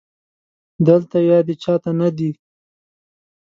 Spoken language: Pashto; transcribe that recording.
دلته يادې چا ته نه دي